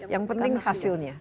yang penting hasilnya